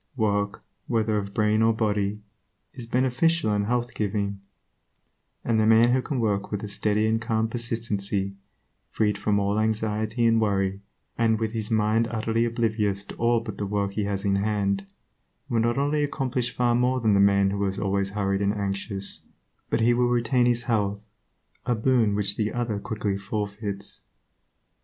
Work, whether of brain or body, is beneficial and health giving, and the man who can work with a steady and calm persistency, freed from all anxiety and worry, and with his mind utterly oblivious to all but the work he has in hand, will not only accomplish far more than the man who is always hurried and anxious, but he will retain his health, a boon which the other quickly forfeits.